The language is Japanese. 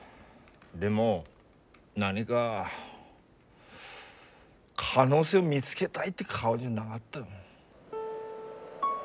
でも何が可能性を見つけたいって顔じゃなかった。